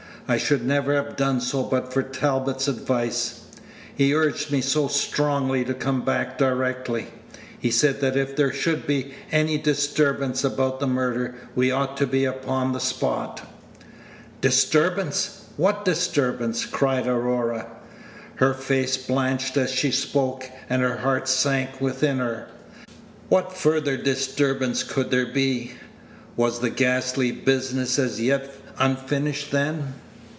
I should never have done so but for Talbot's advice. He urged me so strongly to come back directly. He said that if there should be any disturbance about the murder, we ought to be upon the spot." "Disturbance! What disturbance?" cried Aurora. Her face blanched as she spoke, and her heart sank within her. What farther disturbance could there be? Was the ghastly business as yet unfinished then?